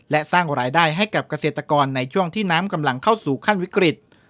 และสร้างรายได้ให้กับเกษตรกรในช่วงที่น้ำกำลังเข้าสู่ขั้นวิกฤต